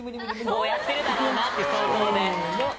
こうやってるだろうなっていう想像で。